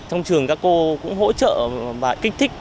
trong trường các cô cũng hỗ trợ và kích thích